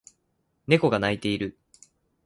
猫が鳴いている